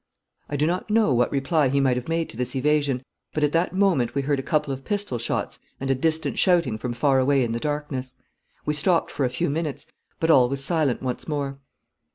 I do not know what reply he might have made to this evasion, but at that moment we heard a couple of pistol shots and a distant shouting from far away in the darkness. We stopped for a few minutes, but all was silent once more.